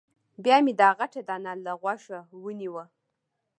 بیا مې دا غټه دانه له غوږه ونیوه.